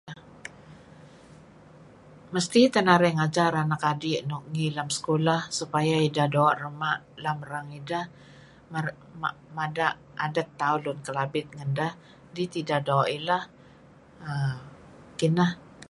Mesti teh narih ngajar anak adi' nuk em sekolah supaya ideh doo' rema' lem erang ideh mada' adet tauh Lun Kelabit iih ngedeh dih teh ideh doo' ileh. Kineh.